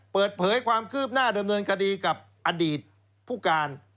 เปิดเผยความคืบหน้าดำเนินคดีกับอดีตผู้การ